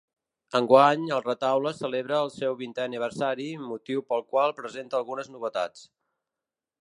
Enguany, el retaule celebra el seu vintè aniversari, motiu pel qual presenta algunes novetats.